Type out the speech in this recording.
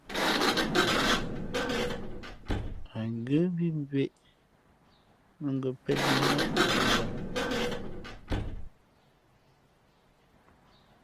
Ghen ngə́ mbí mbᾱʼ ē mά ngα̌ pén í nά pūʼ zǎ.